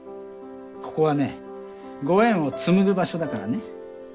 ここはねご縁を紡ぐ場所だからね。